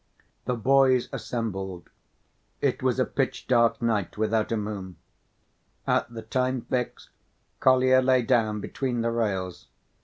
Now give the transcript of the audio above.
The boys assembled. It was a pitch‐dark night without a moon. At the time fixed, Kolya lay down between the rails.